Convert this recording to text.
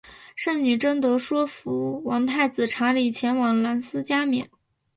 圣女贞德说服王太子查理前往兰斯加冕。